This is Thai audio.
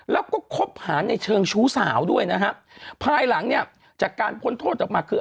แล้วก็คบหาในเชิงชู้สาวด้วยนะฮะภายหลังเนี่ยจากการพ้นโทษออกมาคือ